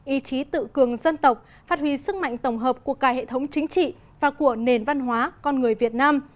ý chí tự cường dân tộc phát huy sức mạnh tổng hợp của cả hệ thống chính trị và của nền văn hóa con người việt nam